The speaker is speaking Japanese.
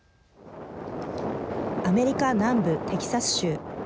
アメリカ南部テキサス州。